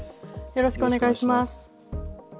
よろしくお願いします。